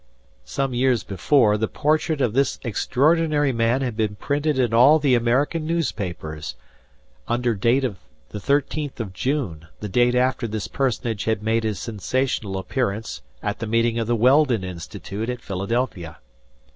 Some years before the portrait of this extraordinary man had been printed in all the American newspapers, under date of the thirteenth of June, the day after this personage had made his sensational appearance at the meeting of the Weldon Institute at Philadelphia.